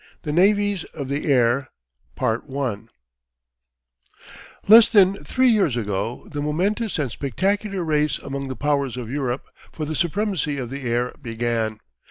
THE NAVIES of THE AIR Less than three years ago the momentous and spectacular race among the Powers of Europe for the supremacy of the air began.